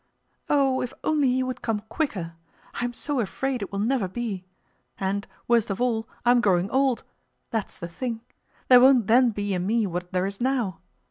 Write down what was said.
"Oh, if only he would come quicker! I am so afraid it will never be! And, worst of all, I am growing old—that's the thing! There won't then be in me what there is now.